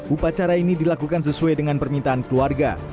upacara ini dilakukan sesuai dengan permintaan keluarga